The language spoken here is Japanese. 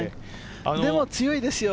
でも強いですよ。